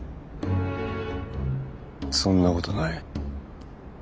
そんなことない。